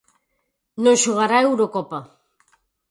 Non xogará a Eurocopa.